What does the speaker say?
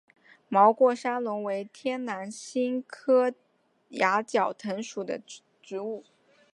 毛过山龙为天南星科崖角藤属的植物。